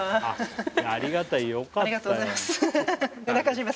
ありがたいよかったよ。